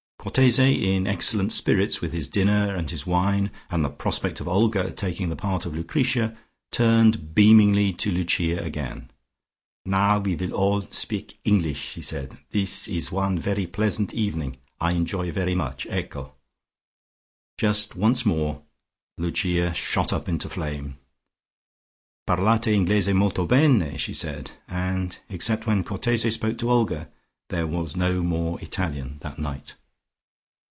Cortese, in excellent spirits with his dinner and his wine and the prospect of Olga taking the part of Lucretia, turned beamingly to Lucia again. "Now we will all spick English," he said. "This is one very pleasant evening. I enjoy me very much. Ecco!" Just once more Lucia shot up into flame. "Parlate Inglese molto bene," she said, and except when Cortese spoke to Olga, there was no more Italian that night.